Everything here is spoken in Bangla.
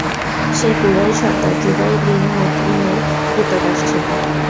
সে কুরাইশ সর্দার যুবাইর বিন মুতঈমের ক্রীতদাস ছিল।